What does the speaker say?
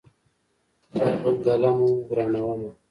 دا بنګله مو ورانومه.